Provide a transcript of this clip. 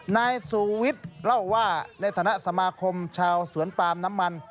นายสูวิทย์เล่าว่าในฐานะสมาคมชาวสวนปาล์มน้ำมัน